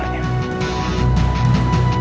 tidak akan ada selama